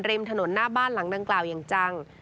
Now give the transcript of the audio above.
ริมถนนหน้าบ้านหลังดังกล่าวอย่างจัง